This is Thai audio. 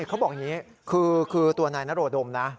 เขาบอกอย่างนี้คือตัวนายนโรดมนะ